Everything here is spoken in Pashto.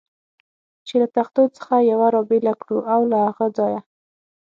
چې له تختو څخه یوه را بېله کړو او له هغه ځایه.